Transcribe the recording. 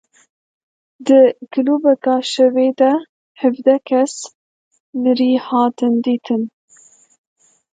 Di klûbeke şevê de hevdeh kes mirî hatin dîtin.